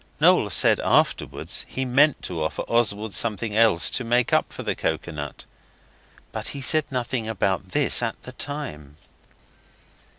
Noel said afterwards he meant to offer Oswald something else to make up for the coconut, but he said nothing about this at the time.